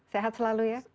sehat selalu ya